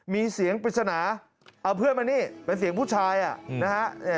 มีเสียงปริศนาเอาเพื่อนมานี่เป็นเสียงผู้ชายนะฮะ